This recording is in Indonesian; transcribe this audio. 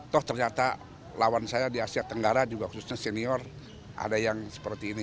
toh ternyata lawan saya di asia tenggara juga khususnya senior ada yang seperti ini